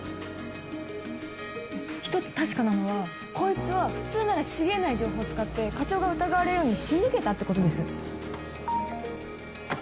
１つ確かなのはこいつは普通なら知り得ない情報を使って課長が疑われるように仕向けたってことです。